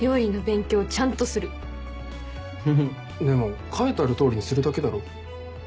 でも書いてあるとおりにするだけだろ？